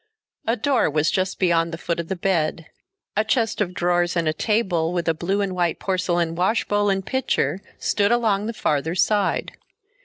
A door was just beyond the foot of the bed; a chest of drawers and a table with a blue and white porcelain wash bowl and pitcher, stood along the farther side.